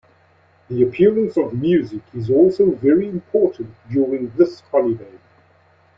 The appearance of music is also very important during this holiday.